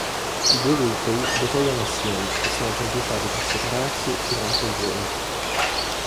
I due veicoli decollano assieme e sono progettati per separarsi durante il volo.